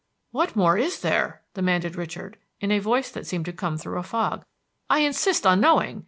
"What more is there?" demanded Richard in a voice that seemed to come through a fog. "I insist on knowing!